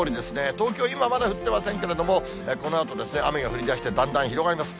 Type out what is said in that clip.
東京、今まだ降ってませんけれども、このあと雨が降りだして、だんだん広がります。